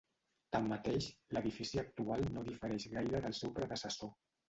Tanmateix l'edifici actual no difereix gaire del seu predecessor.